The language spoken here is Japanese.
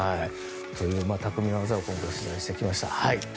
巧みな技を今回取材しました。